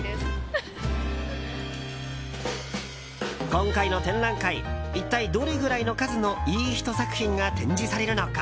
今回の展覧会一体、どれぐらいの数のいい人作品が展示されるのか？